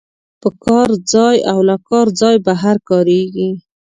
په کار ځای او له کار ځای بهر کاریږي.